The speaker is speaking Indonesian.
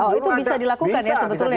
oh itu bisa dilakukan ya sebetulnya